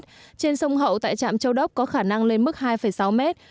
trên sông hậu tại trạm châu đốc có khả năng lên mức hai sáu mét